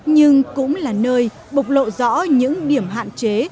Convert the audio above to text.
nhưng cũng là nơi bộc lộ rõ những điểm hạn chế